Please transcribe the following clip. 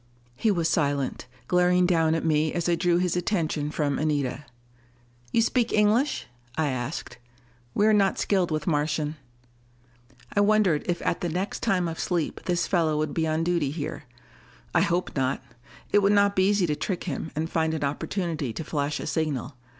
He was silent, glaring down at me as I drew his attention from Anita. "You speak English?" I asked. "We are not skilled with Martian." I wondered if at the next time of sleep this fellow would be on duty here. I hoped not: it would not be easy to trick him and find an opportunity to flash a signal.